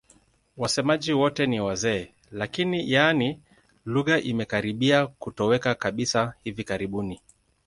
Wasemaji wote ni wazee lakini, yaani lugha imekaribia kutoweka kabisa hivi karibuni.